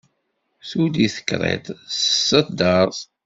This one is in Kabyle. Tuli tekriṭ s tseddart.